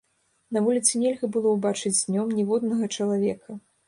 На вуліцы нельга было ўбачыць днём ніводнага чалавека.